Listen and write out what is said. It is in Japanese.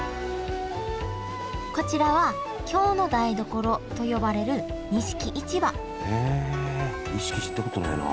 こちらは京の台所と呼ばれる錦市場へえ錦行ったことないな。